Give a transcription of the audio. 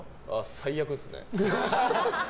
最悪ですね。